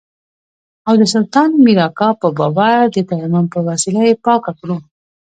او د سلطان مير اکا په باور د تيمم په وسيله يې پاکه کړو.